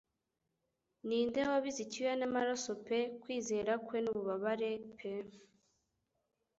Ninde wabize icyuya n'amaraso pe kwizera kwe n'ububabare pe